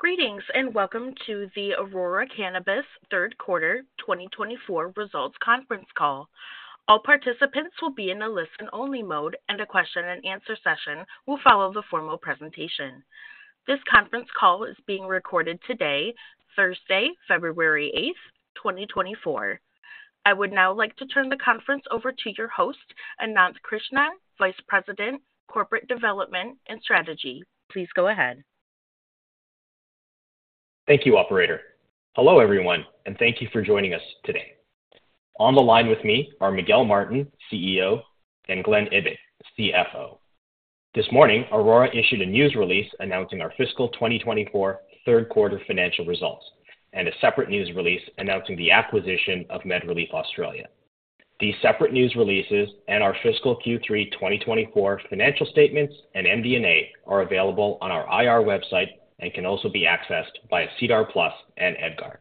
Greetings, and welcome to the Aurora Cannabis third quarter 2024 results conference call. All participants will be in a listen-only mode, and a question-and-answer session will follow the formal presentation. This conference call is being recorded today, Thursday, February 8, 2024. I would now like to turn the conference over to your host, Ananth Krishnan, Vice President, Corporate Development and Strategy. Please go ahead. Thank you, operator. Hello, everyone, and thank you for joining us today. On the line with me are Miguel Martin, CEO, and Glen Ibbott, CFO. This morning, Aurora issued a news release announcing our fiscal 2024 third quarter financial results, and a separate news release announcing the acquisition of MedReleaf Australia. These separate news releases and our fiscal Q3 2024 financial statements and MD&A are available on our IR website and can also be accessed via SEDAR+ and EDGAR.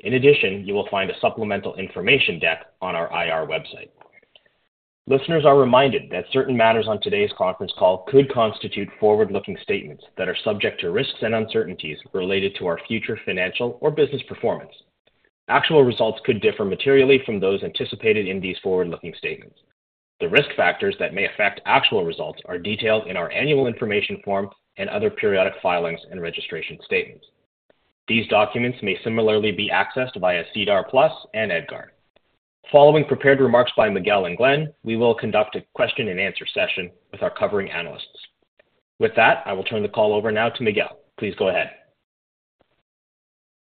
In addition, you will find a supplemental information deck on our IR website. Listeners are reminded that certain matters on today's conference call could constitute forward-looking statements that are subject to risks and uncertainties related to our future financial or business performance. Actual results could differ materially from those anticipated in these forward-looking statements. The risk factors that may affect actual results are detailed in our annual information form and other periodic filings and registration statements. These documents may similarly be accessed via SEDAR+ and EDGAR. Following prepared remarks by Miguel and Glen, we will conduct a question-and-answer session with our covering analysts. With that, I will turn the call over now to Miguel. Please go ahead.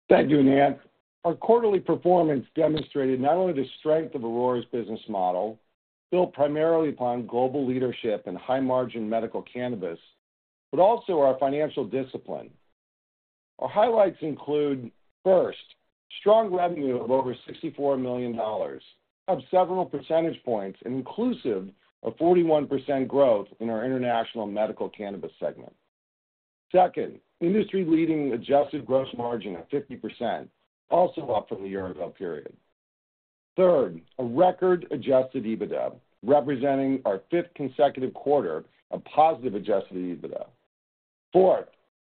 Thank you, Ananth. Our quarterly performance demonstrated not only the strength of Aurora's business model, built primarily upon global leadership and high-margin medical cannabis, but also our financial discipline. Our highlights include, first, strong revenue of over 64 million dollars, up several percentage points, inclusive of 41% growth in our international medical cannabis segment. Second, industry-leading adjusted gross margin of 50%, also up from the year-ago period. Third, a record adjusted EBITDA, representing our fifth consecutive quarter of positive adjusted EBITDA. Fourth,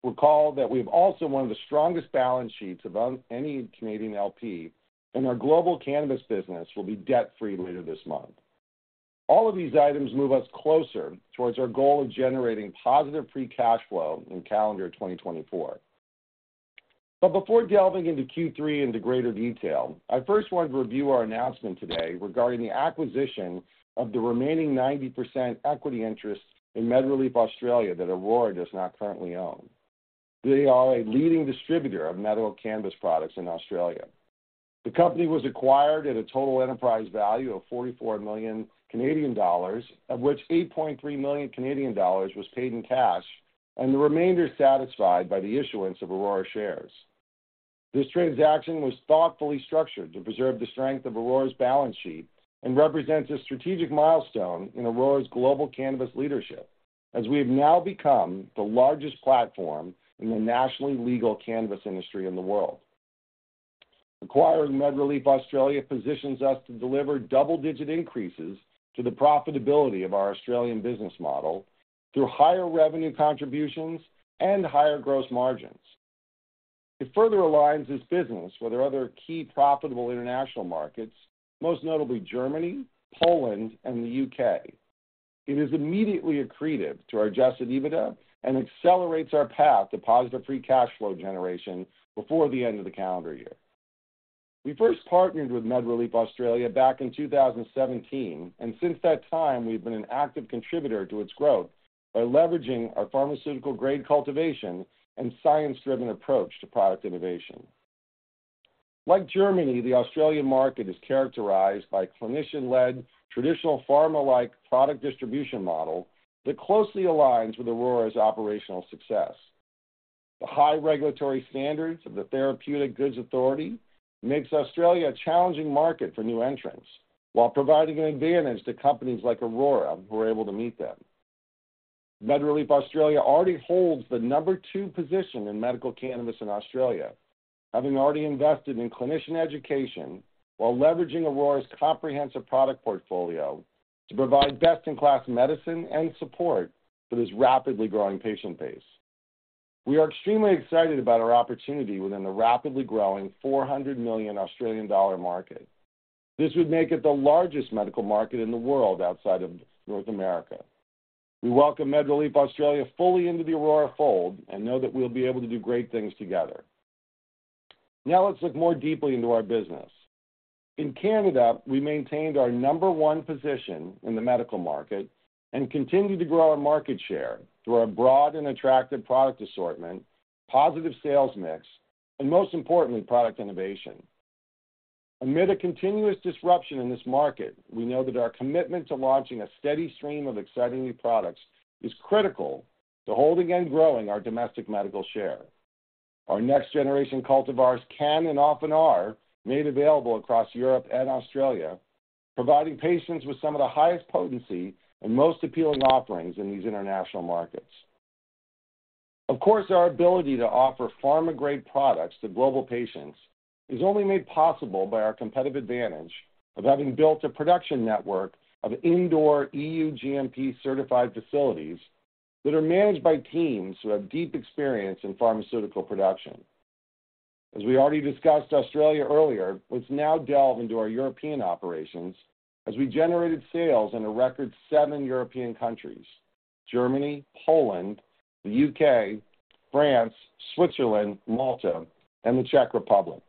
recall that we have also one of the strongest balance sheets of any Canadian LP, and our global cannabis business will be debt-free later this month. All of these items move us closer towards our goal of generating positive free cash flow in calendar 2024. But before delving into Q3 into greater detail, I first wanted to review our announcement today regarding the acquisition of the remaining 90% equity interest in MedReleaf Australia that Aurora does not currently own. They are a leading distributor of medical cannabis products in Australia. The company was acquired at a total enterprise value of 44 million Canadian dollars, of which 8.3 million Canadian dollars was paid in cash, and the remainder satisfied by the issuance of Aurora shares. This transaction was thoughtfully structured to preserve the strength of Aurora's balance sheet and represents a strategic milestone in Aurora's global cannabis leadership, as we have now become the largest platform in the nationally legal cannabis industry in the world. Acquiring MedReleaf Australia positions us to deliver double-digit increases to the profitability of our Australian business model through higher revenue contributions and higher gross margins. It further aligns this business with our other key profitable international markets, most notably Germany, Poland, and the UK. It is immediately accretive to our Adjusted EBITDA and accelerates our path to positive Free Cash Flow generation before the end of the calendar year. We first partnered with MedReleaf Australia back in 2017, and since that time, we've been an active contributor to its growth by leveraging our pharmaceutical-grade cultivation and science-driven approach to product innovation. Like Germany, the Australian market is characterized by clinician-led, traditional pharma-like product distribution model that closely aligns with Aurora's operational success. The high regulatory standards of the Therapeutic Goods Administration makes Australia a challenging market for new entrants, while providing an advantage to companies like Aurora, who are able to meet them. MedReleaf Australia already holds the number two position in medical cannabis in Australia, having already invested in clinician education while leveraging Aurora's comprehensive product portfolio to provide best-in-class medicine and support for this rapidly growing patient base. We are extremely excited about our opportunity within the rapidly growing 400 million Australian dollar market. This would make it the largest medical market in the world outside of North America. We welcome MedReleaf Australia fully into the Aurora fold and know that we'll be able to do great things together. Now, let's look more deeply into our business. In Canada, we maintained our number one position in the medical market and continued to grow our market share through our broad and attractive product assortment, positive sales mix, and most importantly, product innovation. Amid a continuous disruption in this market, we know that our commitment to launching a steady stream of exciting new products is critical to holding and growing our domestic medical share. Our next-generation cultivars can and often are made available across Europe and Australia, providing patients with some of the highest potency and most appealing offerings in these international markets. Of course, our ability to offer pharma-grade products to global patients is only made possible by our competitive advantage of having built a production network of indoor EU GMP certified facilities that are managed by teams who have deep experience in pharmaceutical production. As we already discussed Australia earlier, let's now delve into our European operations as we generated sales in a record seven European countries: Germany, Poland, the U.K., France, Switzerland, Malta, and the Czech Republic.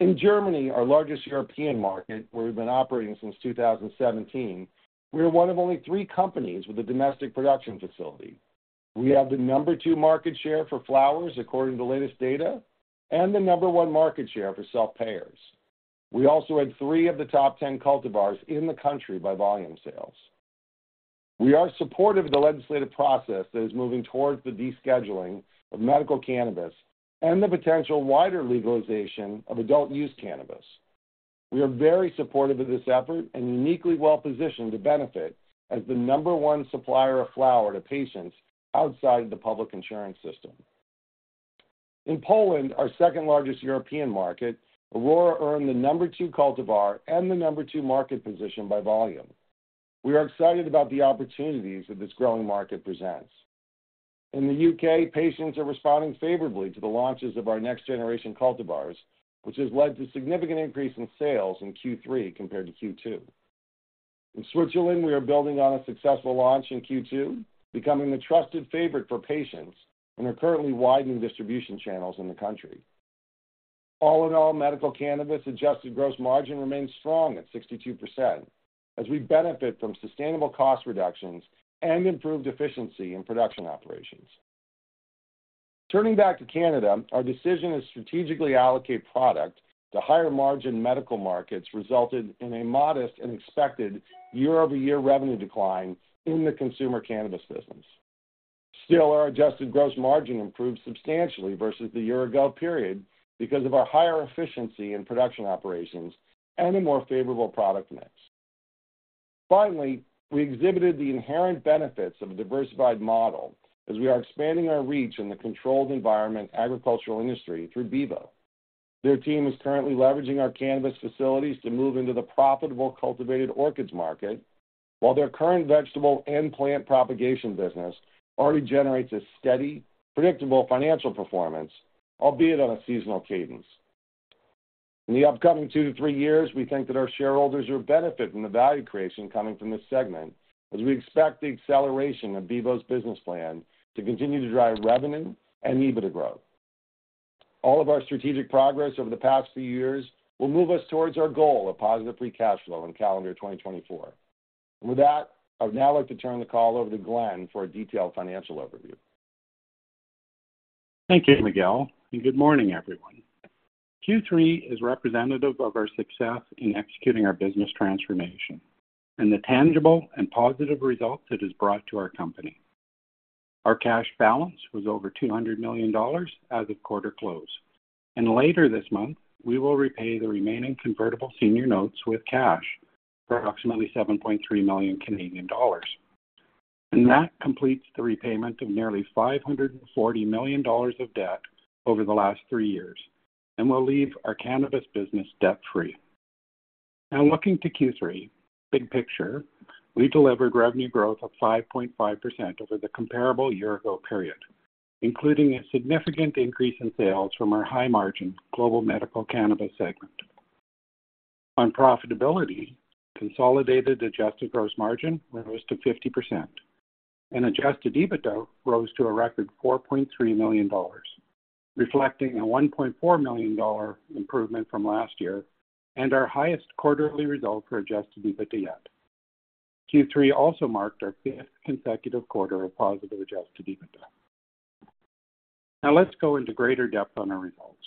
In Germany, our largest European market, where we've been operating since 2017, we are one of only three companies with a domestic production facility. We have the number two market share for flowers, according to the latest data, and the number one market share for self-payers. We also had three of the top 10 cultivars in the country by volume sales. We are supportive of the legislative process that is moving towards the descheduling of medical cannabis and the potential wider legalization of adult-use cannabis. We are very supportive of this effort and uniquely well-positioned to benefit as the number one supplier of flower to patients outside the public insurance system. In Poland, our second-largest European market, Aurora earned the number two cultivar and the number two market position by volume. We are excited about the opportunities that this growing market presents. In the U.K., patients are responding favorably to the launches of our next-generation cultivars, which has led to significant increase in sales in Q3 compared to Q2. In Switzerland, we are building on a successful launch in Q2, becoming the trusted favorite for patients, and are currently widening distribution channels in the country. All in all, medical cannabis adjusted gross margin remains strong at 62%, as we benefit from sustainable cost reductions and improved efficiency in production operations. Turning back to Canada, our decision to strategically allocate product to higher-margin medical markets resulted in a modest and expected year-over-year revenue decline in the consumer cannabis business. Still, our adjusted gross margin improved substantially versus the year ago period because of our higher efficiency in production operations and a more favorable product mix. Finally, we exhibited the inherent benefits of a diversified model as we are expanding our reach in the controlled environment agricultural industry through Bevo. Their team is currently leveraging our cannabis facilities to move into the profitable cultivated orchids market, while their current vegetable and plant propagation business already generates a steady, predictable financial performance, albeit on a seasonal cadence. In the upcoming two to three years, we think that our shareholders will benefit from the value creation coming from this segment, as we expect the acceleration of Bevo's business plan to continue to drive revenue and EBITDA growth. All of our strategic progress over the past few years will move us towards our goal of positive free cash flow in calendar 2024. With that, I would now like to turn the call over to Glen for a detailed financial overview. Thank you, Miguel, and good morning, everyone. Q3 is representative of our success in executing our business transformation and the tangible and positive results it has brought to our company. Our cash balance was over 200 million dollars as of quarter close, and later this month, we will repay the remaining convertible senior notes with cash for approximately 7.3 million Canadian dollars. That completes the repayment of nearly 540 million dollars of debt over the last three years and will leave our cannabis business debt-free. Now, looking to Q3, big picture, we delivered revenue growth of 5.5% over the comparable year ago period, including a significant increase in sales from our high-margin global medical cannabis segment. On profitability, consolidated adjusted gross margin rose to 50%, and adjusted EBITDA rose to a record 4.3 million dollars, reflecting a 1.4 million dollar improvement from last year and our highest quarterly result for adjusted EBITDA yet. Q3 also marked our fifth consecutive quarter of positive adjusted EBITDA. Now, let's go into greater depth on our results.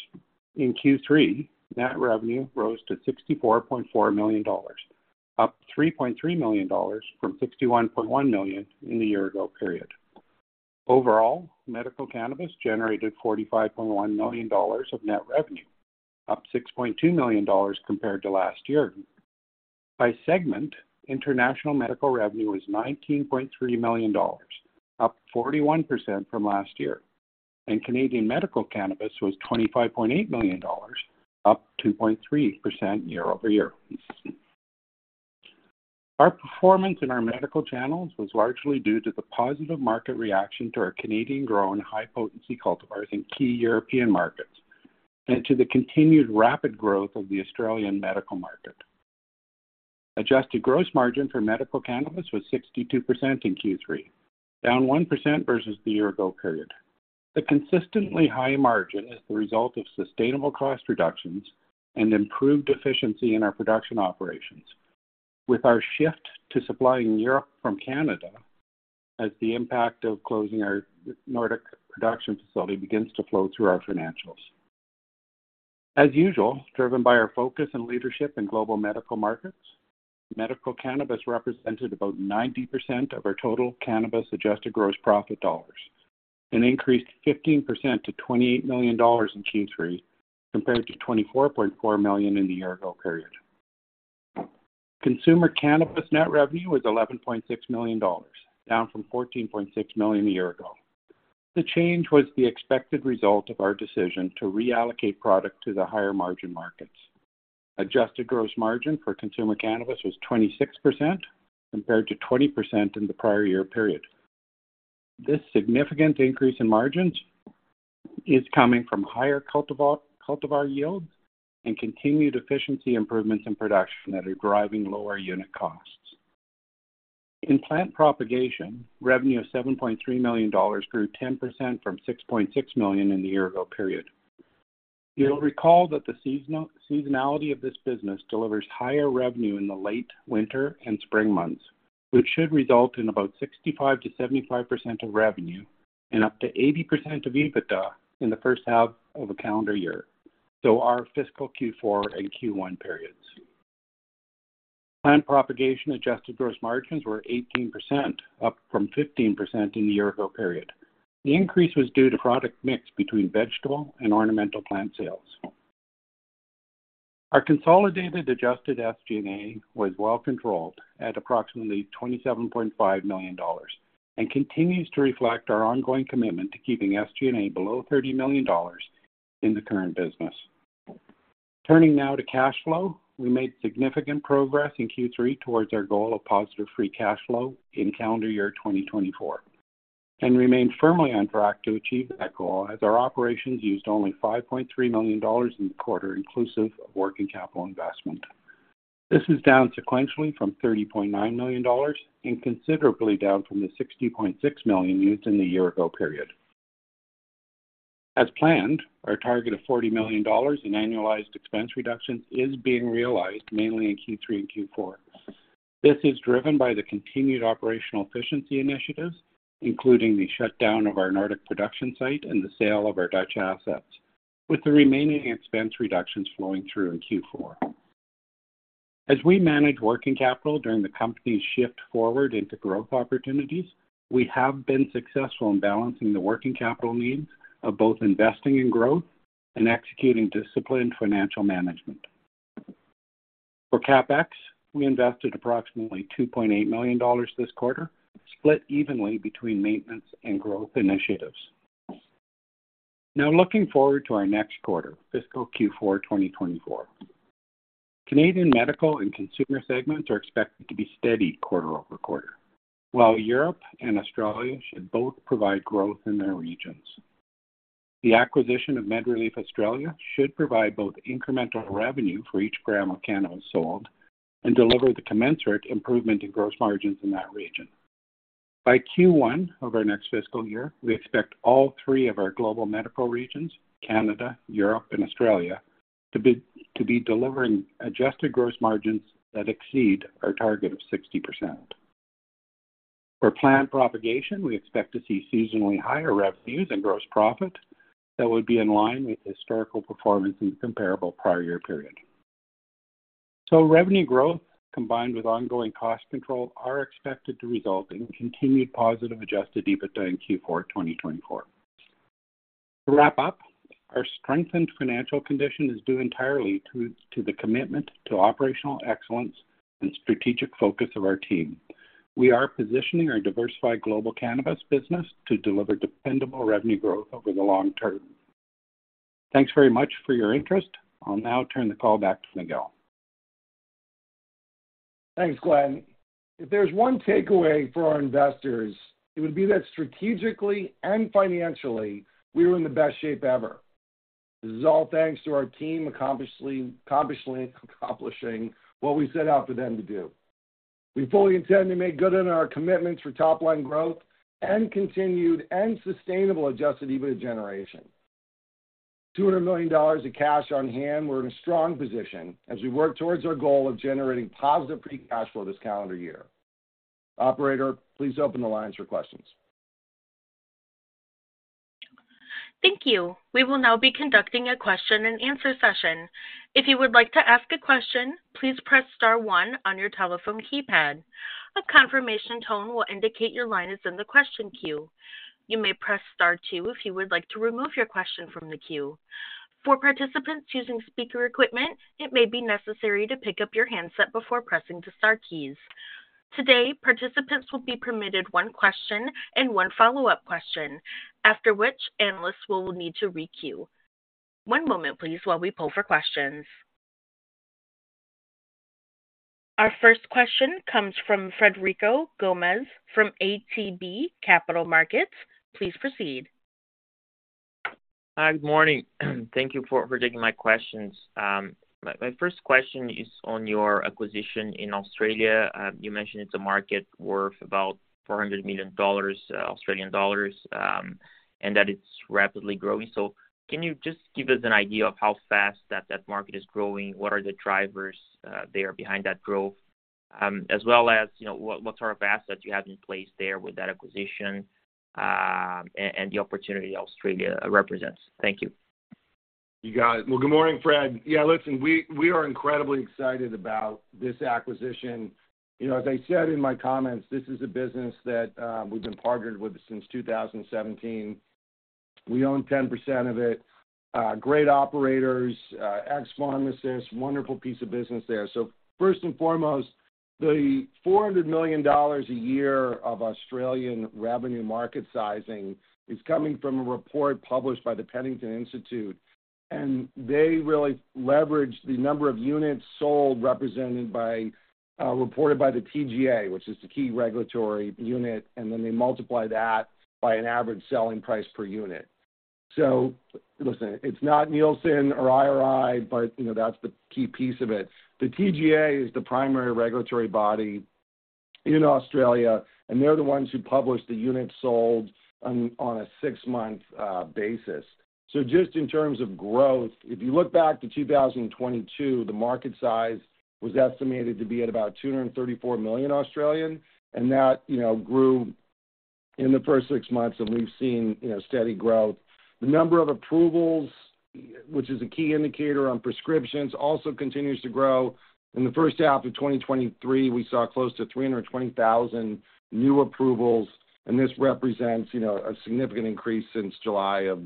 In Q3, net revenue rose to 64.4 million dollars, up 3.3 million dollars from 61.1 million in the year ago period. Overall, medical cannabis generated 45.1 million dollars of net revenue, up 6.2 million dollars compared to last year. By segment, international medical revenue was 19.3 million dollars, up 41% from last year, and Canadian medical cannabis was 25.8 million dollars, up 2.3% year-over-year. Our performance in our medical channels was largely due to the positive market reaction to our Canadian-grown, high-potency cultivars in key European markets and to the continued rapid growth of the Australian medical market. Adjusted gross margin for medical cannabis was 62% in Q3, down 1% versus the year ago period. The consistently high margin is the result of sustainable cost reductions and improved efficiency in our production operations. With our shift to supplying Europe from Canada, as the impact of closing our Nordic production facility begins to flow through our financials. As usual, driven by our focus and leadership in global medical markets, medical cannabis represented about 90% of our total cannabis adjusted gross profit dollars and increased 15% to 28 million dollars in Q3, compared to 24.4 million in the year ago period. Consumer cannabis net revenue was 11.6 million dollars, down from 14.6 million a year ago. The change was the expected result of our decision to reallocate product to the higher margin markets. Adjusted gross margin for consumer cannabis was 26%, compared to 20% in the prior year period. This significant increase in margins is coming from higher cultivar, cultivar yields and continued efficiency improvements in production that are driving lower unit costs. In plant propagation, revenue of 7.3 million dollars grew 10% from 6.6 million in the year ago period. You'll recall that the seasonal, seasonality of this business delivers higher revenue in the late winter and spring months, which should result in about 65%-75% of revenue and up to 80% of EBITDA in the first half of a calendar year, so our fiscal Q4 and Q1 periods. Plant propagation adjusted gross margins were 18%, up from 15% in the year ago period. The increase was due to product mix between vegetable and ornamental plant sales. Our consolidated adjusted SG&A was well controlled at approximately 27.5 million dollars and continues to reflect our ongoing commitment to keeping SG&A below 30 million dollars in the current business. Turning now to cash flow. We made significant progress in Q3 towards our goal of positive free cash flow in calendar year 2024, and remain firmly on track to achieve that goal as our operations used only 5.3 million dollars in the quarter, inclusive of working capital investment. This is down sequentially from 30.9 million dollars and considerably down from the 60.6 million used in the year ago period. As planned, our target of 40 million dollars in annualized expense reductions is being realized mainly in Q3 and Q4. This is driven by the continued operational efficiency initiatives, including the shutdown of our Nordic production site and the sale of our Dutch assets, with the remaining expense reductions flowing through in Q4. As we manage working capital during the company's shift forward into growth opportunities, we have been successful in balancing the working capital needs of both investing in growth and executing disciplined financial management. For CapEx, we invested approximately 2.8 million dollars this quarter, split evenly between maintenance and growth initiatives. Now, looking forward to our next quarter, fiscal Q4 2024. Canadian medical and consumer segments are expected to be steady quarter-over-quarter, while Europe and Australia should both provide growth in their regions. The acquisition of MedReleaf Australia should provide both incremental revenue for each gram of cannabis sold and deliver the commensurate improvement in gross margins in that region. By Q1 of our next fiscal year, we expect all three of our global medical regions, Canada, Europe, and Australia, to be, to be delivering adjusted gross margins that exceed our target of 60%. For plant propagation, we expect to see seasonally higher revenues and gross profit that would be in line with historical performance in comparable prior year period. Revenue growth, combined with ongoing cost control, are expected to result in continued positive Adjusted EBITDA in Q4 2024. To wrap up, our strengthened financial condition is due entirely to the commitment to operational excellence and strategic focus of our team. We are positioning our diversified global cannabis business to deliver dependable revenue growth over the long term. Thanks very much for your interest. I'll now turn the call back to Miguel. Thanks, Glen. If there's one takeaway for our investors, it would be that strategically and financially, we are in the best shape ever. This is all thanks to our team accomplishing what we set out for them to do. We fully intend to make good on our commitments for top-line growth and continued and sustainable Adjusted EBITDA generation. 200 million dollars of cash on hand, we're in a strong position as we work towards our goal of generating positive free cash flow this calendar year. Operator, please open the lines for questions. Thank you. We will now be conducting a question and answer session. If you would like to ask a question, please press star one on your telephone keypad. A confirmation tone will indicate your line is in the question queue. You may press star two if you would like to remove your question from the queue. For participants using speaker equipment, it may be necessary to pick up your handset before pressing the star keys. Today, participants will be permitted one question and one follow-up question, after which analysts will need to requeue. One moment please, while we poll for questions. Our first question comes from Frederico Gomes, from ATB Capital Markets. Please proceed. Hi, good morning. Thank you for taking my questions. My first question is on your acquisition in Australia. You mentioned it's a market worth about 400 million dollars, and that it's rapidly growing. So can you just give us an idea of how fast that market is growing? What are the drivers there behind that growth? As well as, you know, what sort of assets you have in place there with that acquisition, and the opportunity Australia represents. Thank you. You got it. Well, good morning, Fred. Yeah, listen, we, we are incredibly excited about this acquisition. You know, as I said in my comments, this is a business that, we've been partnered with since 2017. We own 10% of it. Great operators, ex pharmacists, wonderful piece of business there. So first and foremost, the 400 million dollars a year of Australian revenue market sizing is coming from a report published by the Penington Institute, and they really leverage the number of units sold, represented by, reported by the TGA, which is the key regulatory unit, and then they multiply that by an average selling price per unit. So listen, it's not Nielsen or IRI, but, you know, that's the key piece of it. The TGA is the primary regulatory body in Australia, and they're the ones who publish the units sold on a six-month basis. So just in terms of growth, if you look back to 2022, the market size was estimated to be at about 234 million, and that, you know, grew in the first six months, and we've seen, you know, steady growth. The number of approvals, which is a key indicator on prescriptions, also continues to grow. In the first half of 2023, we saw close to 320,000 new approvals, and this represents, you know, a significant increase since July of,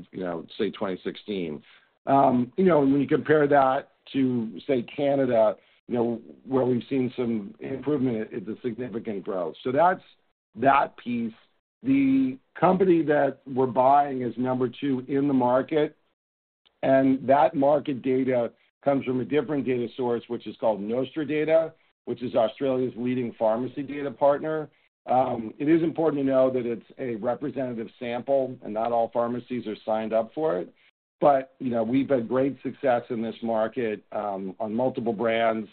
say, 2016. You know, when you compare that to, say, Canada, you know, where we've seen some improvement, it's a significant growth. So that's that piece. The company that we're buying is number two in the market, and that market data comes from a different data source, which is called NostraData, which is Australia's leading pharmacy data partner. It is important to know that it's a representative sample, and not all pharmacies are signed up for it. But, you know, we've had great success in this market, on multiple brands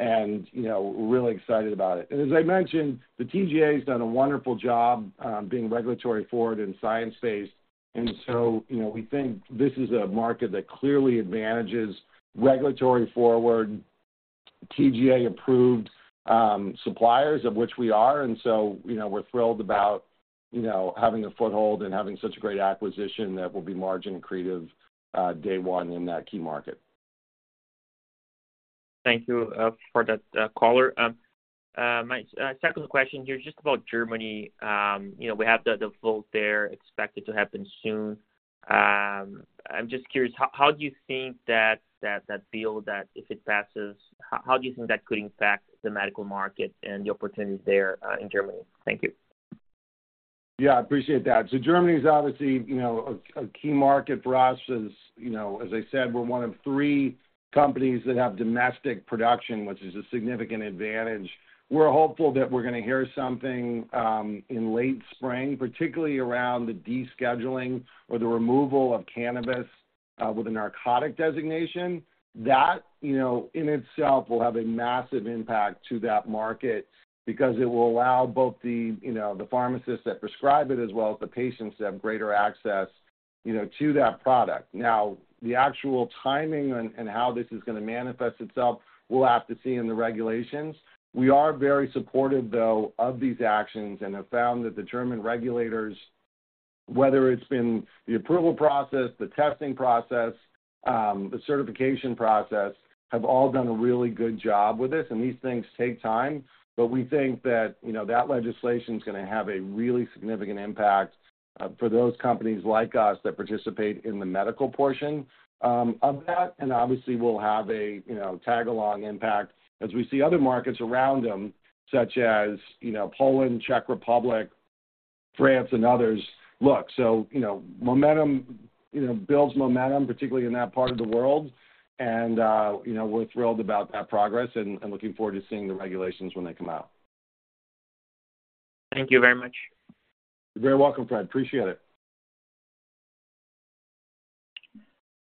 and, you know, we're really excited about it. And as I mentioned, the TGA has done a wonderful job, being regulatory forward and science-based. And so, you know, we think this is a market that clearly advantages regulatory forward, TGA-approved, suppliers, of which we are. And so, you know, we're thrilled about, you know, having a foothold and having such a great acquisition that will be margin accretive, day one in that key market. Thank you, for that, caller. My second question here is just about Germany. You know, we have the vote there expected to happen soon. I'm just curious, how do you think that bill, that if it passes, how do you think that could impact the medical market and the opportunities there, in Germany? Thank you. Yeah, I appreciate that. So Germany is obviously, you know, a key market for us. As, you know, as I said, we're one of three companies that have domestic production, which is a significant advantage. We're hopeful that we're going to hear something in late spring, particularly around the descheduling or the removal of cannabis with a narcotic designation. That, you know, in itself will have a massive impact to that market because it will allow both the, you know, the pharmacists that prescribe it, as well as the patients, to have greater access, you know, to that product. Now, the actual timing and how this is going to manifest itself, we'll have to see in the regulations. We are very supportive, though, of these actions and have found that the German regulators, whether it's been the approval process, the testing process, the certification process, have all done a really good job with this, and these things take time. But we think that, you know, that legislation is going to have a really significant impact, for those companies like us that participate in the medical portion, of that. And obviously, we'll have a, you know, tag-along impact as we see other markets around them, such as, you know, Poland, Czech Republic, France, and others look. So, you know, momentum, you know, builds momentum, particularly in that part of the world, and, you know, we're thrilled about that progress and looking forward to seeing the regulations when they come out. Thank you very much. You're very welcome, Fred. Appreciate it.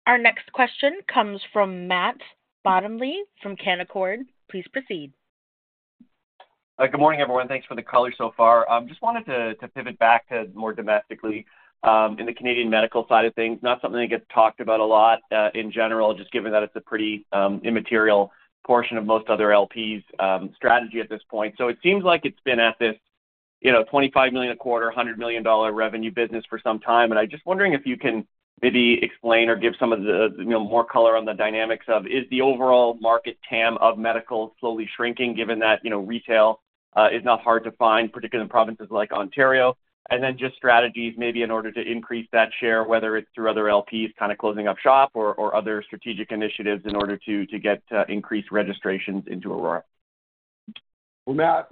Our next question comes from Matt Bottomley from Canaccord. Please proceed. Good morning, everyone. Thanks for the color so far. Just wanted to pivot back to more domestically, in the Canadian medical side of things. Not something that gets talked about a lot, in general, just given that it's a pretty immaterial portion of most other LPs strategy at this point. So it seems like it's been at this, you know, 25 million a quarter, 100 million dollar revenue business for some time, and I'm just wondering if you can maybe explain or give some of the, you know, more color on the dynamics of, is the overall market TAM of medical slowly shrinking, given that, you know, retail is not hard to find, particularly in provinces like Ontario? Then just strategies maybe in order to increase that share, whether it's through other LPs kind of closing up shop or other strategic initiatives in order to get increased registrations into Aurora. Well, Matt,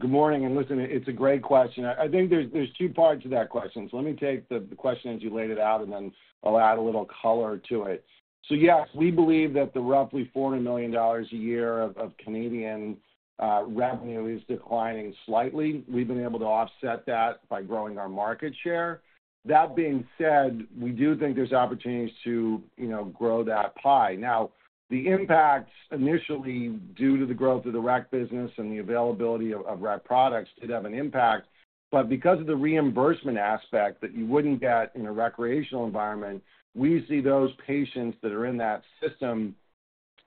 good morning, and listen, it's a great question. I think there's, there's two parts to that question. So let me take the, the question as you laid it out, and then I'll add a little color to it. So yes, we believe that the roughly 40 million dollars a year of Canadian revenue is declining slightly. We've been able to offset that by growing our market share. That being said, we do think there's opportunities to, you know, grow that pie. Now, the impact initially due to the growth of the rec business and the availability of rec products did have an impact, but because of the reimbursement aspect that you wouldn't get in a recreational environment, we see those patients that are in that system,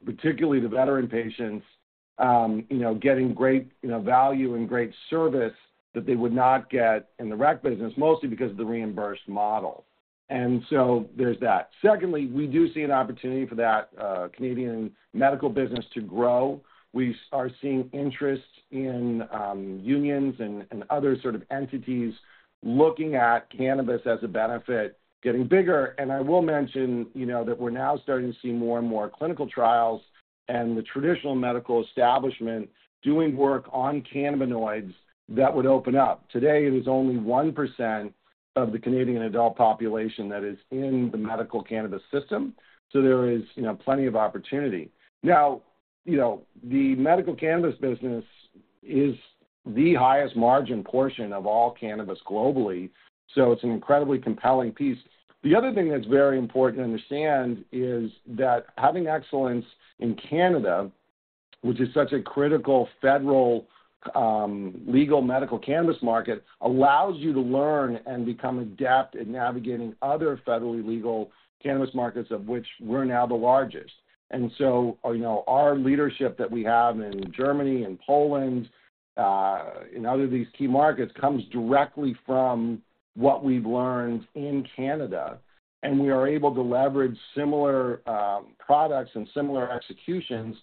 particularly the veteran patients-... You know, getting great, you know, value and great service that they would not get in the rec business, mostly because of the reimbursed model. And so there's that. Secondly, we do see an opportunity for that Canadian medical business to grow. We are seeing interest in unions and other sort of entities looking at cannabis as a benefit getting bigger. And I will mention, you know, that we're now starting to see more and more clinical trials and the traditional medical establishment doing work on cannabinoids that would open up. Today, it is only 1% of the Canadian adult population that is in the medical cannabis system, so there is, you know, plenty of opportunity. Now, you know, the medical cannabis business is the highest margin portion of all cannabis globally, so it's an incredibly compelling piece. The other thing that's very important to understand is that having excellence in Canada, which is such a critical federal legal medical cannabis market, allows you to learn and become adept at navigating other federally legal cannabis markets, of which we're now the largest. And so, you know, our leadership that we have in Germany and Poland in other of these key markets, comes directly from what we've learned in Canada, and we are able to leverage similar products and similar executions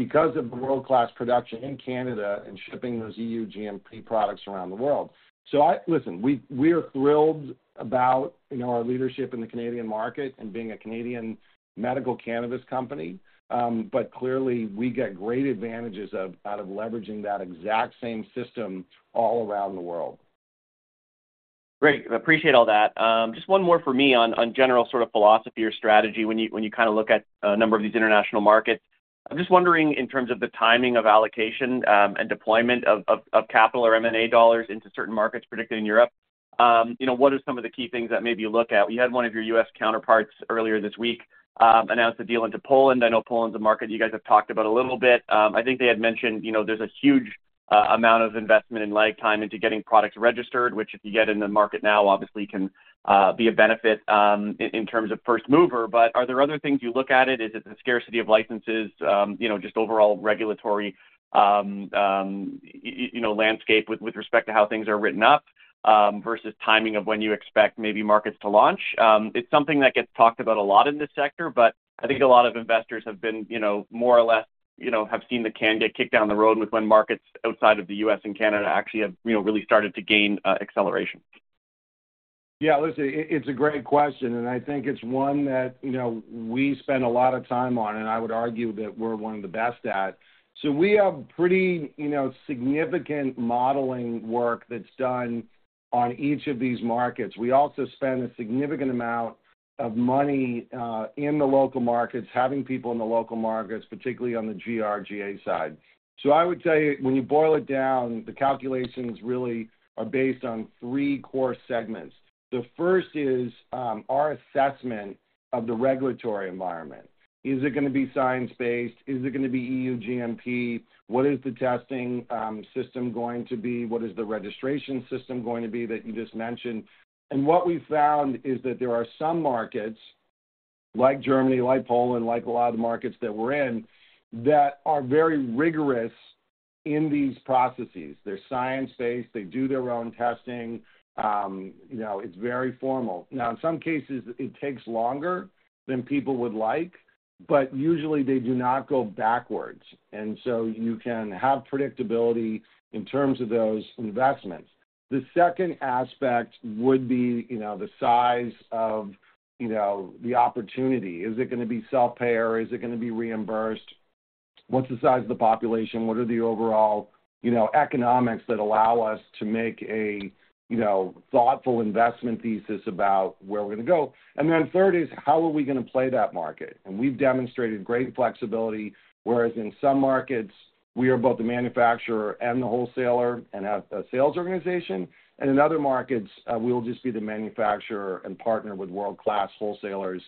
because of the world-class production in Canada and shipping those EU GMP products around the world. So, listen, we are thrilled about, you know, our leadership in the Canadian market and being a Canadian medical cannabis company. But clearly, we get great advantages out of leveraging that exact same system all around the world. Great. I appreciate all that. Just one more for me on general sort of philosophy or strategy when you kind of look at a number of these international markets. I'm just wondering, in terms of the timing of allocation and deployment of capital or M&A dollars into certain markets, particularly in Europe, you know, what are some of the key things that maybe you look at? We had one of your U.S. counterparts earlier this week announce a deal into Poland. I know Poland's a market you guys have talked about a little bit. I think they had mentioned, you know, there's a huge amount of investment and lifetime into getting products registered, which, if you get in the market now, obviously can be a benefit in terms of first mover. But are there other things you look at it? Is it the scarcity of licenses, you know, just overall regulatory, you know, landscape with respect to how things are written up, versus timing of when you expect maybe markets to launch? It's something that gets talked about a lot in this sector, but I think a lot of investors have been, you know, more or less, you know, have seen the can get kicked down the road with when markets outside of the US and Canada actually have, you know, really started to gain acceleration. Yeah, listen, it's a great question, and I think it's one that, you know, we spend a lot of time on, and I would argue that we're one of the best at. So we have pretty, you know, significant modeling work that's done on each of these markets. We also spend a significant amount of money in the local markets, having people in the local markets, particularly on the GRGA side. So I would tell you, when you boil it down, the calculations really are based on three core segments. The first is our assessment of the regulatory environment. Is it gonna be science-based? Is it gonna be EU GMP? What is the testing system going to be? What is the registration system going to be, that you just mentioned? What we found is that there are some markets, like Germany, like Poland, like a lot of the markets that we're in, that are very rigorous in these processes. They're science-based, they do their own testing, you know, it's very formal. Now, in some cases, it takes longer than people would like, but usually they do not go backwards, and so you can have predictability in terms of those investments. The second aspect would be, you know, the size of, you know, the opportunity. Is it gonna be self-payer? Is it gonna be reimbursed? What's the size of the population? What are the overall, you know, economics that allow us to make a, you know, thoughtful investment thesis about where we're gonna go? And then third is, how are we gonna play that market? And we've demonstrated great flexibility, whereas in some markets we are both the manufacturer and the wholesaler and have a sales organization, and in other markets, we will just be the manufacturer and partner with world-class wholesalers,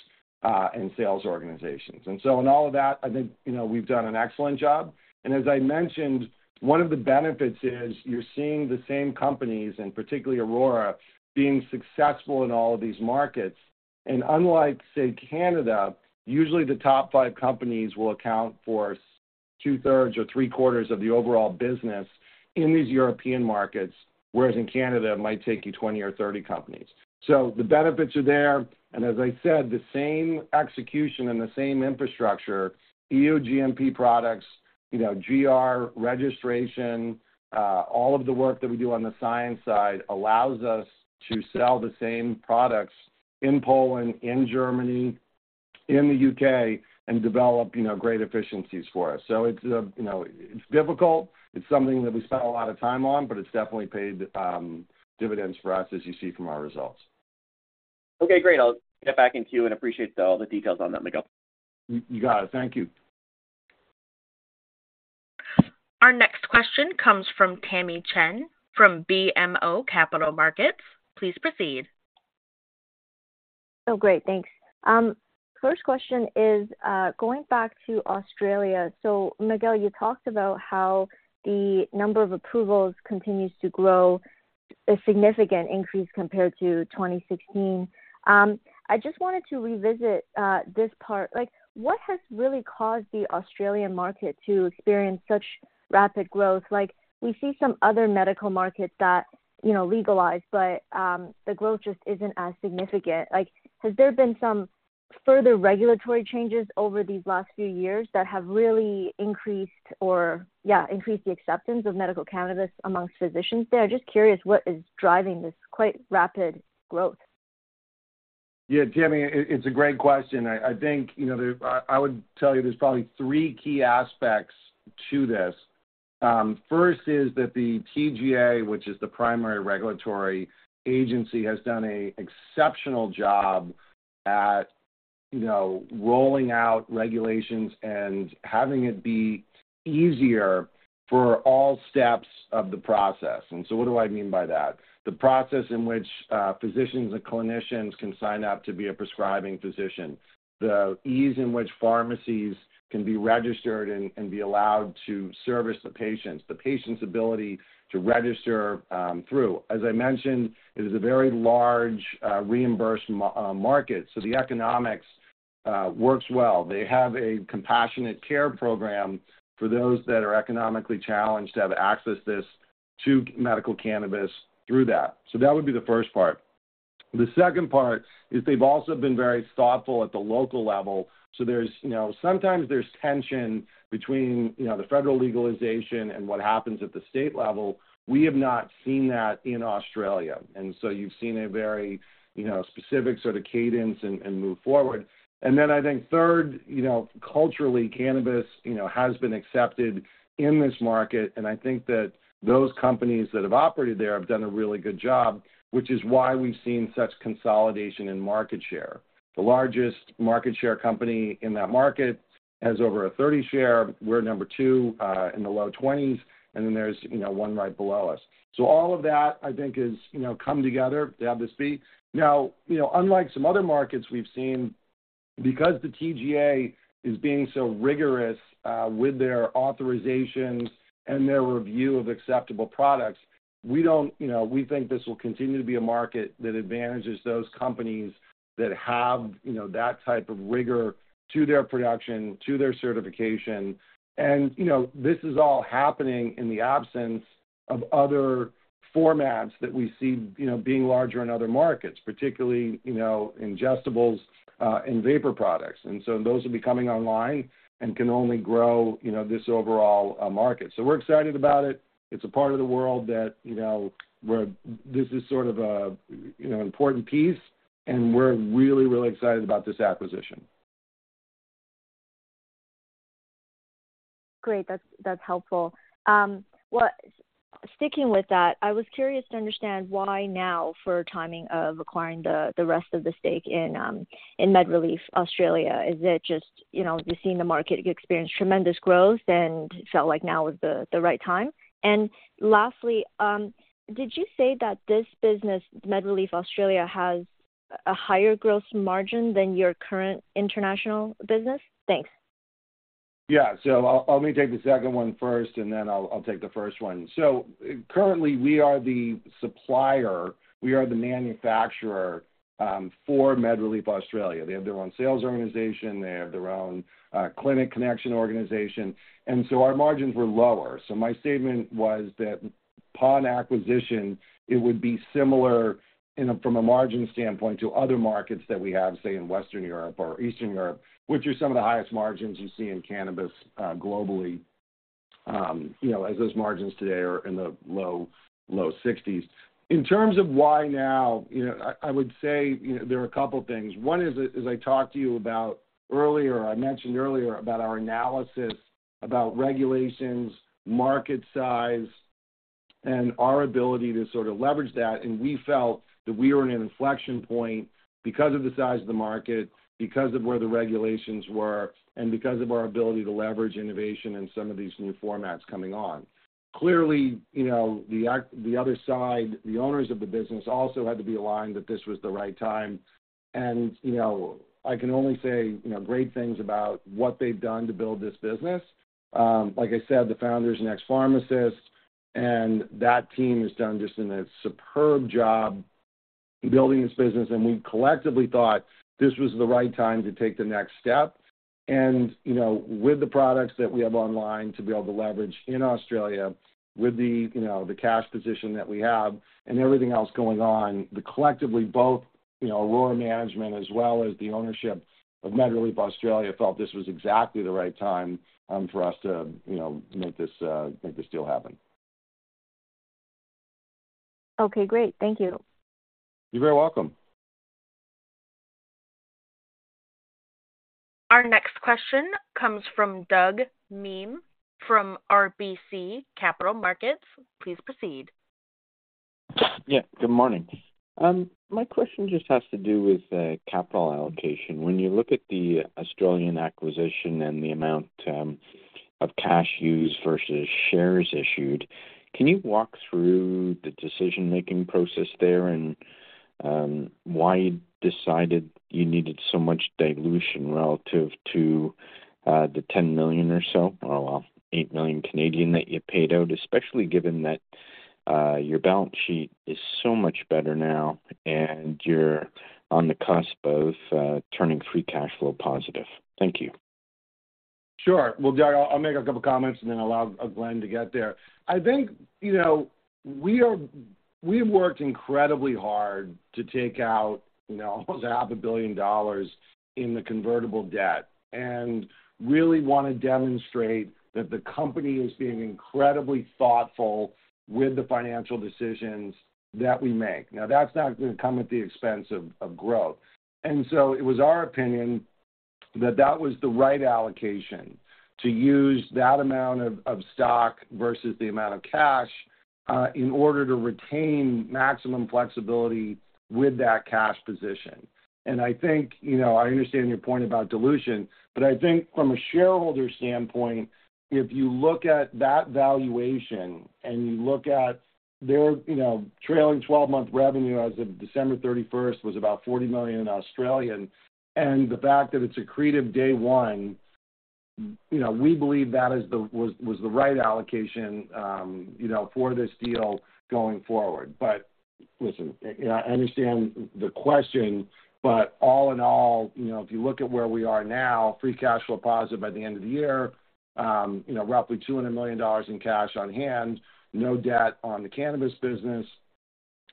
and sales organizations. And so in all of that, I think, you know, we've done an excellent job. And as I mentioned, one of the benefits is you're seeing the same companies, and particularly Aurora, being successful in all of these markets. And unlike, say, Canada, usually the top five companies will account for two-thirds or three-quarters of the overall business in these European markets, whereas in Canada, it might take you 20 or 30 companies. So the benefits are there, and as I said, the same execution and the same infrastructure, EU GMP products, you know, GR, registration, all of the work that we do on the science side allows us to sell the same products in Poland, in Germany, in the UK, and develop, you know, great efficiencies for us. So it's, you know, it's difficult. It's something that we spent a lot of time on, but it's definitely paid dividends for us, as you see from our results. Okay, great. I'll get back to you and appreciate all the details on that, Miguel. You got it. Thank you. Our next question comes from Tamy Chen from BMO Capital Markets. Please proceed.... Oh, great, thanks. First question is, going back to Australia. So Miguel, you talked about how the number of approvals continues to grow, a significant increase compared to 2016. I just wanted to revisit this part. Like, what has really caused the Australian market to experience such rapid growth? Like, we see some other medical markets that, you know, legalize, but the growth just isn't as significant. Like, has there been some further regulatory changes over these last few years that have really increased or, yeah, increased the acceptance of medical cannabis amongst physicians there? Just curious, what is driving this quite rapid growth? Yeah, Tamy, it, it's a great question. I, I think, you know, there, I, I would tell you there's probably three key aspects to this. First is that the TGA, which is the primary regulatory agency, has done an exceptional job at, you know, rolling out regulations and having it be easier for all steps of the process. And so what do I mean by that? The process in which, physicians and clinicians can sign up to be a prescribing physician, the ease in which pharmacies can be registered and, and be allowed to service the patients, the patient's ability to register, through. As I mentioned, it is a very large, reimbursed market, so the economics, works well. They have a compassionate care program for those that are economically challenged to have access this, to medical cannabis through that. So that would be the first part. The second part is they've also been very thoughtful at the local level. So there's, you know, sometimes there's tension between, you know, the federal legalization and what happens at the state level. We have not seen that in Australia, and so you've seen a very, you know, specific sort of cadence and, and move forward. And then I think third, you know, culturally, cannabis, you know, has been accepted in this market, and I think that those companies that have operated there have done a really good job, which is why we've seen such consolidation in market share. The largest market share company in that market has over a 30% share. We're number two in the low 20s, and then there's, you know, one right below us. So all of that, I think is, you know, come together, to have this be. Now, you know, unlike some other markets we've seen, because the TGA is being so rigorous with their authorizations and their review of acceptable products, we don't, you know, we think this will continue to be a market that advantages those companies that have, you know, that type of rigor to their production, to their certification. And, you know, this is all happening in the absence of other formats that we see, you know, being larger in other markets, particularly, you know, ingestibles and vapor products. And so those will be coming online and can only grow, you know, this overall market. So we're excited about it. It's a part of the world that, you know, we're, this is sort of a, you know, important piece, and we're really, really excited about this acquisition. Great. That's, that's helpful. Well, sticking with that, I was curious to understand why now for timing of acquiring the, the rest of the stake in, in MedReleaf Australia? Is it just, you know, you've seen the market experience tremendous growth and felt like now was the, the right time? And lastly, did you say that this business, MedReleaf Australia, has a higher growth margin than your current international business? Thanks. Yeah. So let me take the second one first, and then I'll, I'll take the first one. So currently, we are the supplier, we are the manufacturer, for MedReleaf Australia. They have their own sales organization, they have their own, clinic connection organization, and so our margins were lower. So my statement was that upon acquisition, it would be similar in a, from a margin standpoint to other markets that we have, say, in Western Europe or Eastern Europe, which are some of the highest margins you see in cannabis, globally. You know, as those margins today are in the low 60s. In terms of why now, you know, I, I would say, you know, there are a couple things. One is, as I talked to you about earlier, I mentioned earlier about our analysis about regulations, market size, and our ability to sort of leverage that, and we felt that we were in an inflection point because of the size of the market, because of where the regulations were, and because of our ability to leverage innovation in some of these new formats coming on. Clearly, you know, the other side, the owners of the business, also had to be aligned that this was the right time. You know, I can only say, you know, great things about what they've done to build this business. Like I said, the founder is an ex-pharmacist, and that team has done just a superb job building this business, and we collectively thought this was the right time to take the next step. You know, with the products that we have online to be able to leverage in Australia with the, you know, the cash position that we have and everything else going on, the collectively both, you know, Aurora management as well as the ownership of MedReleaf Australia, felt this was exactly the right time, for us to, you know, make this deal happen. Okay, great. Thank you. You're very welcome. Our next question comes from Doug Miehm, from RBC Capital Markets. Please proceed. Yeah, good morning. My question just has to do with capital allocation. When you look at the Australian acquisition and the amount of cash used versus shares issued, can you walk through the decision-making process there and why you decided you needed so much dilution relative to the 10 million or so, or, well, 8 million that you paid out, especially given that your balance sheet is so much better now, and you're on the cusp of turning free cash flow positive? Thank you. Sure. Well, Doug, I'll, I'll make a couple comments and then allow Glen to get there. I think, you know, we are—we've worked incredibly hard to take out, you know, almost 500 million dollars in the convertible debt and really want to demonstrate that the company is being incredibly thoughtful with the financial decisions that we make. Now, that's not going to come at the expense of growth. So it was our opinion that that was the right allocation, to use that amount of stock versus the amount of cash in order to retain maximum flexibility with that cash position. I think, you know, I understand your point about dilution, but I think from a shareholder standpoint, if you look at that valuation, and you look at their, you know, trailing twelve-month revenue as of December 31 was about 40 million, and the fact that it's accretive day one, you know, we believe that is the... was the right allocation, you know, for this deal going forward. But listen, I understand the question, but all in all, you know, if you look at where we are now, free cash flow positive by the end of the year, you know, roughly 200 million dollars in cash on hand, no debt on the cannabis business,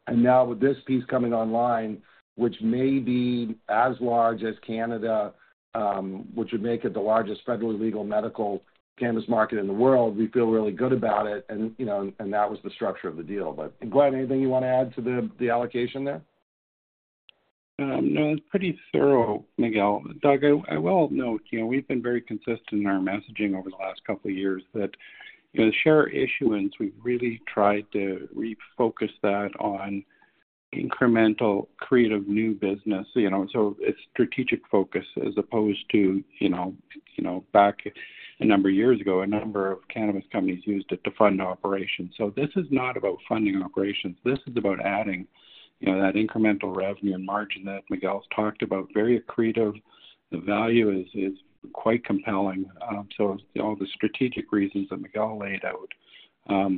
and now with this piece coming online, which may be as large as Canada, which would make it the largest federally legal medical cannabis market in the world, we feel really good about it, and, you know, and that was the structure of the deal. But, Glen, anything you want to add to the allocation there? No, it's pretty thorough, Miguel. Doug, I will note, you know, we've been very consistent in our messaging over the last couple of years that, you know, share issuance, we've really tried to refocus that on incremental accretive new business. You know, so it's strategic focus as opposed to, you know, you know, back a number of years ago, a number of cannabis companies used it to fund operations. So this is not about funding operations. This is about adding, you know, that incremental revenue and margin that Miguel's talked about, very accretive. The value is quite compelling, so all the strategic reasons that Miguel laid out,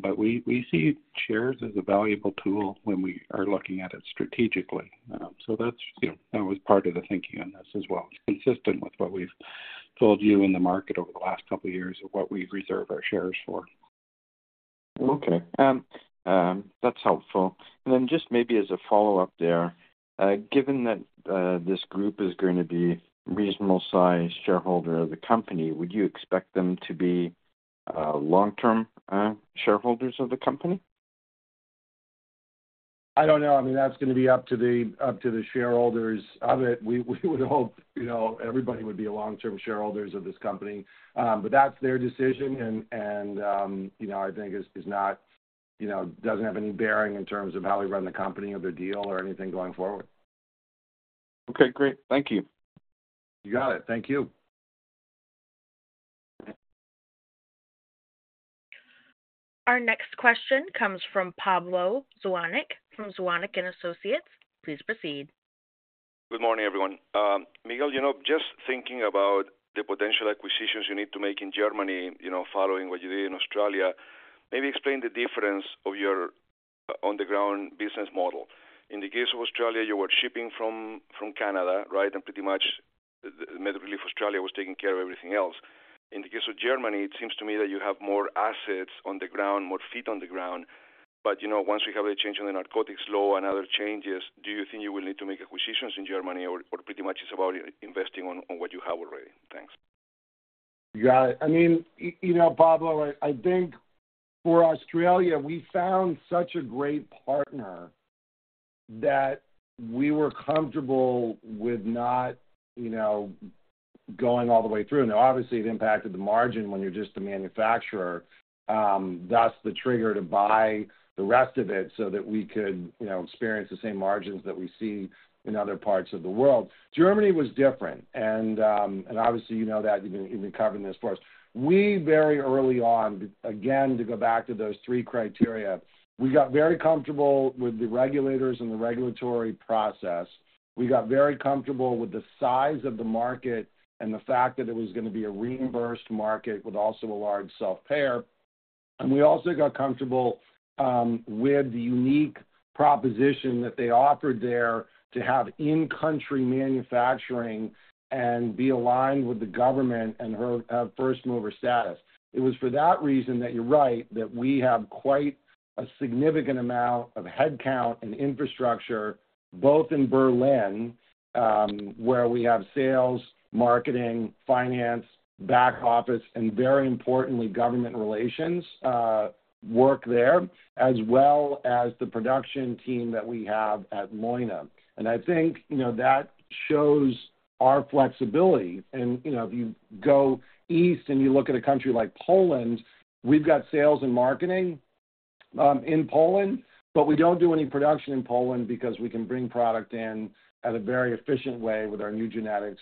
but we see shares as a valuable tool when we are looking at it strategically. So that's, you know, that was part of the thinking on this as well. It's consistent with what we've told you in the market over the last couple of years of what we reserve our shares for. Okay, that's helpful. And then just maybe as a follow-up there, given that, this group is going to be a reasonable-sized shareholder of the company, would you expect them to be long-term shareholders of the company? I don't know. I mean, that's going to be up to the shareholders of it. We would hope, you know, everybody would be long-term shareholders of this company. But that's their decision and, you know, I think is not, you know, doesn't have any bearing in terms of how we run the company or the deal or anything going forward. Okay, great. Thank you. You got it. Thank you. Our next question comes from Pablo Zuanic, from Zuanic & Associates. Please proceed. Good morning, everyone. Miguel, you know, just thinking about the potential acquisitions you need to make in Germany, you know, following what you did in Australia, maybe explain the difference of your on-the-ground business model. In the case of Australia, you were shipping from, from Canada, right? And pretty much MedReleaf Australia was taking care of everything else. In the case of Germany, it seems to me that you have more assets on the ground, more feet on the ground. But, you know, once we have a change in the narcotics law and other changes, do you think you will need to make acquisitions in Germany or, or pretty much it's about investing on, on what you have already? Thanks. You got it. I mean, you know, Pablo, I think for Australia, we found such a great partner that we were comfortable with not, you know, going all the way through. Now, obviously, it impacted the margin when you're just a manufacturer, thus the trigger to buy the rest of it so that we could, you know, experience the same margins that we see in other parts of the world. Germany was different and obviously, you know that you've been covering this for us. We very early on, again, to go back to those three criteria, we got very comfortable with the regulators and the regulatory process. We got very comfortable with the size of the market and the fact that it was going to be a reimbursed market with also a large self-payor. We also got comfortable with the unique proposition that they offered there to have in-country manufacturing and be aligned with the government and have first-mover status. It was for that reason, that you're right, that we have quite a significant amount of headcount and infrastructure, both in Berlin, where we have sales, marketing, finance, back office, and very importantly, government relations work there, as well as the production team that we have at Leuna. And I think, you know, that shows our flexibility. And, you know, if you go east and you look at a country like Poland, we've got sales and marketing in Poland, but we don't do any production in Poland because we can bring product in at a very efficient way with our new genetics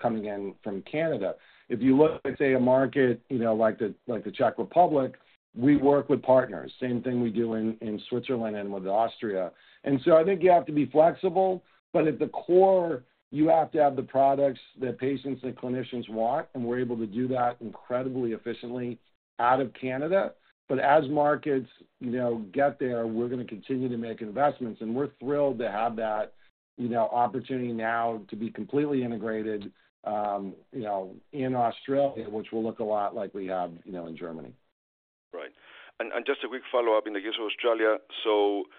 coming in from Canada. If you look at, say, a market, you know, like the Czech Republic, we work with partners. Same thing we do in Switzerland and with Austria. And so I think you have to be flexible, but at the core, you have to have the products that patients and clinicians want, and we're able to do that incredibly efficiently out of Canada. But as markets, you know, get there, we're going to continue to make investments, and we're thrilled to have that, you know, opportunity now to be completely integrated, you know, in Australia, which will look a lot like we have, you know, in Germany. Right. And just a quick follow-up in the case of Australia, so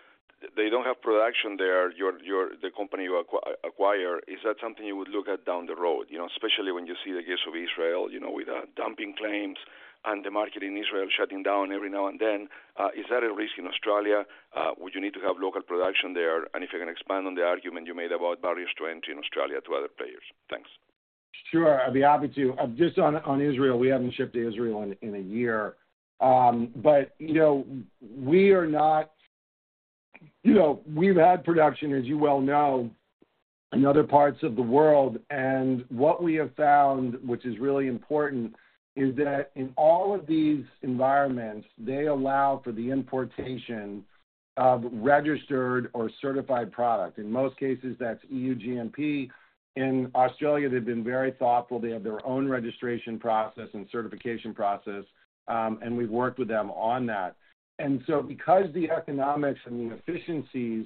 they don't have production there, your, the company you acquire, is that something you would look at down the road? You know, especially when you see the case of Israel, you know, with dumping claims and the market in Israel shutting down every now and then. Is that a risk in Australia? Would you need to have local production there? And if you can expand on the argument you made about barriers to entry in Australia to other players? Thanks. Sure, I'd be happy to. Just on Israel, we haven't shipped to Israel in a year. But, you know, we are not - you know, we've had production, as you well know, in other parts of the world. And what we have found, which is really important, is that in all of these environments, they allow for the importation of registered or certified product. In most cases, that's EU GMP. In Australia, they've been very thoughtful. They have their own registration process and certification process, and we've worked with them on that. Because the economics and the efficiencies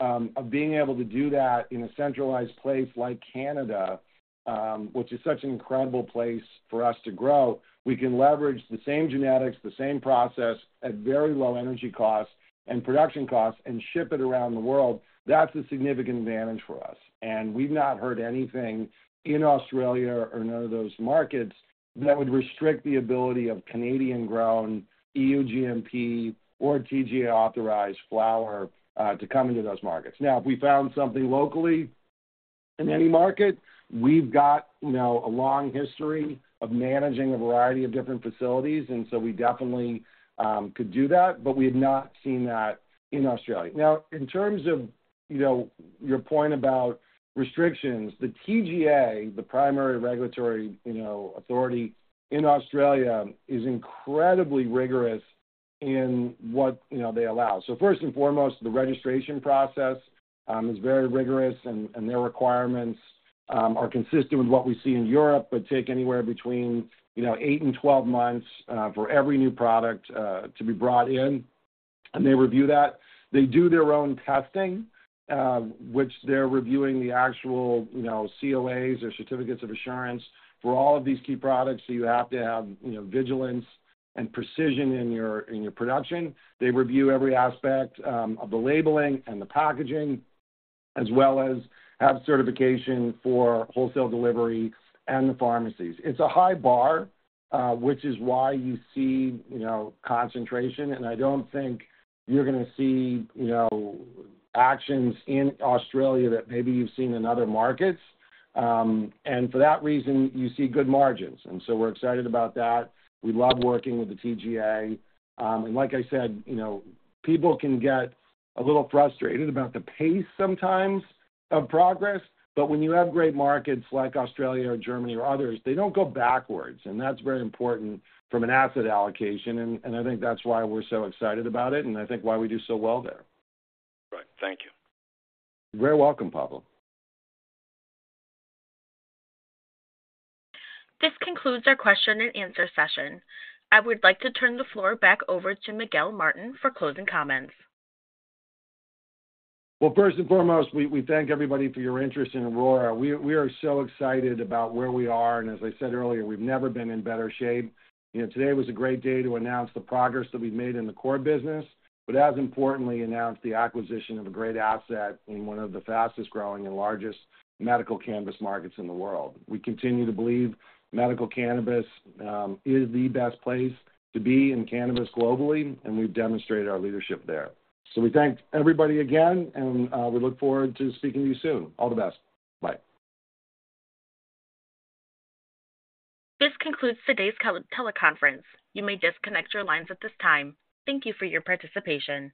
of being able to do that in a centralized place like Canada, which is such an incredible place for us to grow, we can leverage the same genetics, the same process at very low energy costs and production costs and ship it around the world. That's a significant advantage for us, and we've not heard anything in Australia or none of those markets that would restrict the ability of Canadian-grown EU GMP or TGA-authorized flower to come into those markets. Now, if we found something locally in any market, we've got, you know, a long history of managing a variety of different facilities, and so we definitely could do that, but we have not seen that in Australia. Now, in terms of, you know, your point about restrictions, the TGA, the primary regulatory, you know, authority in Australia, is incredibly rigorous in what, you know, they allow. So first and foremost, the registration process is very rigorous, and their requirements are consistent with what we see in Europe, but take anywhere between, you know, 8 and 12 months for every new product to be brought in, and they review that. They do their own testing, which they're reviewing the actual, you know, COAs, or Certificates of Analysis, for all of these key products. So you have to have, you know, vigilance and precision in your production. They review every aspect of the labeling and the packaging, as well as have certification for wholesale delivery and the pharmacies. It's a high bar, which is why you see, you know, concentration, and I don't think you're going to see, you know, actions in Australia that maybe you've seen in other markets. And for that reason, you see good margins, and so we're excited about that. We love working with the TGA. And like I said, you know, people can get a little frustrated about the pace sometimes of progress, but when you have great markets like Australia or Germany or others, they don't go backwards, and that's very important from an asset allocation. And I think that's why we're so excited about it, and I think why we do so well there. Right. Thank you. You're very welcome, Pablo. This concludes our question and answer session. I would like to turn the floor back over to Miguel Martin for closing comments. Well, first and foremost, we thank everybody for your interest in Aurora. We are so excited about where we are, and as I said earlier, we've never been in better shape. You know, today was a great day to announce the progress that we've made in the core business, but as importantly, announce the acquisition of a great asset in one of the fastest growing and largest medical cannabis markets in the world. We continue to believe medical cannabis is the best place to be in cannabis globally, and we've demonstrated our leadership there. So we thank everybody again, and we look forward to speaking to you soon. All the best. Bye. This concludes today's teleconference. You may disconnect your lines at this time. Thank you for your participation.